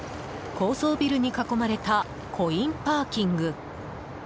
高層ビルに囲まれたコインパーキング。